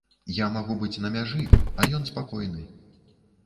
Я магу быць на мяжы, а ён спакойны.